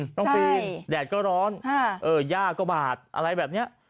ต้องปีนแดดก็ร้อนยากก็บาดอะไรแบบเนี่ย